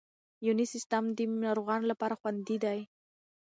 یوني سیسټم د ناروغانو لپاره خوندي دی.